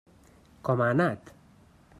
Com ha anat?